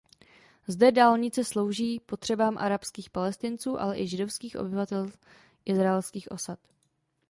Zde dálnice slouží potřebám arabských Palestinců ale i židovských obyvatel izraelských osad.